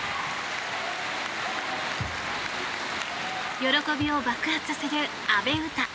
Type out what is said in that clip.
喜びを爆発させる阿部詩。